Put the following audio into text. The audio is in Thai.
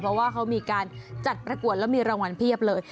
เพราะว่าเขามีการจัดประกวดแล้วมีรางวัลเพียบเลย